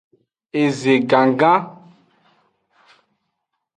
Eze gangan.